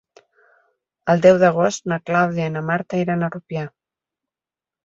El deu d'agost na Clàudia i na Marta iran a Rupià.